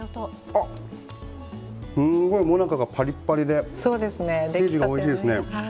あ、すごいモナカがパリパリでおいしいですね。